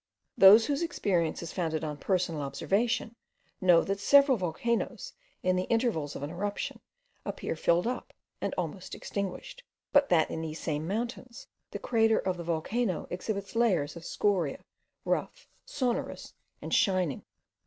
Those whose experience is founded on personal observation, know that several volcanoes, in the intervals of an eruption, appear filled up, and almost extinguished; but that in these same mountains, the crater of the volcano exhibits layers of scoriae, rough, sonorous, and shining.